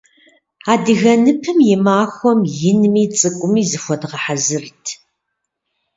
Адыгэ ныпым и махуэм инми цӏыкӏуми зыхуэдгъэхьэзырт.